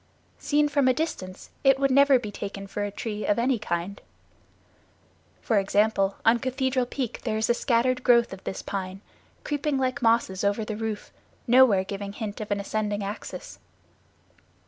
Seen from a distance it would never be taken for a tree of any kind. For example, on Cathedral Peak there is a scattered growth of this pine, creeping like mosses over the roof, nowhere giving hint of an ascending axis.